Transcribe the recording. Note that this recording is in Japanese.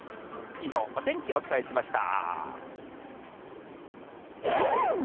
以上、お天気お伝えしました。